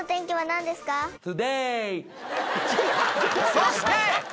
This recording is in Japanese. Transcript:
そして。